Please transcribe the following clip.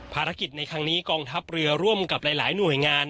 ภารกิจในครั้งนี้กองทัพเรือร่วมกับหลายหน่วยงาน